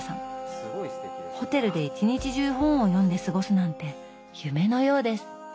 ホテルで一日中本を読んで過ごすなんて夢のようです。